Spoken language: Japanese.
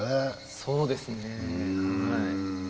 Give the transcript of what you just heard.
そうですねはい。